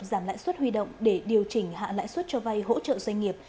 giảm lãi suất huy động để điều chỉnh hạ lãi suất cho vay hỗ trợ doanh nghiệp